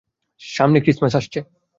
সামনেই ক্রিসমাস আসছে।